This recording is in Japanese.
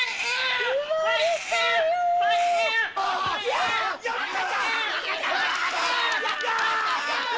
やった！